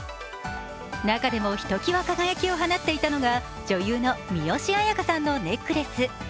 中でもひときわ輝きを放っていたのが女優の三吉彩花さんのネックレス。